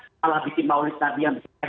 setelah bikin maulid nabi yang